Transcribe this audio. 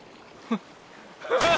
あっ。